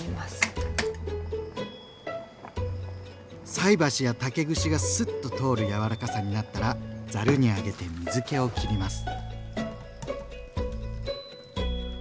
菜箸や竹串がスッと通る柔らかさになったらざるに上げて水けをきります。